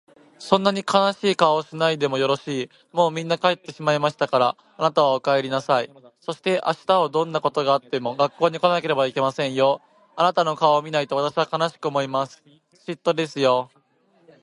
「そんなに悲しい顔をしないでもよろしい。もうみんなは帰ってしまいましたから、あなたはお帰りなさい。そして明日はどんなことがあっても学校に来なければいけませんよ。あなたの顔を見ないと私は悲しく思いますよ。屹度ですよ。」